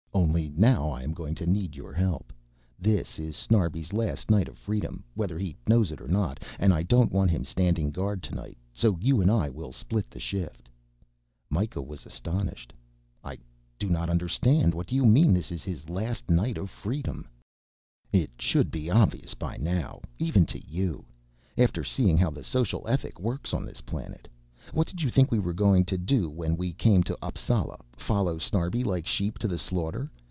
Only now I am going to need your help. This is Snarbi's last night of freedom whether he knows it or not, and I don't want him standing guard tonight, so you and I will split the shift." Mikah was astonished. "I do not understand. What do you mean this is his last night of freedom?" "It should be obvious by now even to you after seeing how the social ethic works on this planet. What did you think we were going to do when we came to Appsala follow Snarbi like sheep to the slaughter?